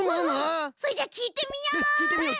それじゃあきいてみよう！